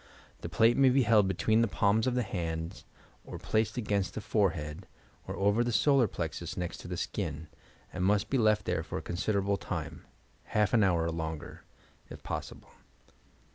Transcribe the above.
The plate may be held between the palnu of the hands or placed against the forehead or over the solar plexus, next to the skin, and must be left there for a considerable time — half an hour or longer, if pos sible.